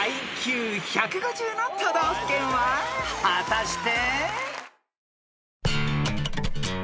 ［果たして］